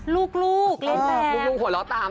ลูกเล่นแบบ